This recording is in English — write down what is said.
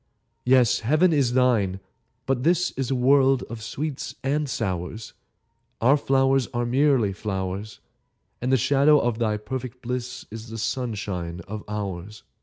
Yes, Heaven is thine; but this Is a world of sweets and sours; Our flowers are merely flowers, And the shadow of thy perfect bliss Is the sunshine of ours.